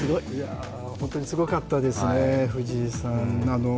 本当にすごかったですね、藤井さん。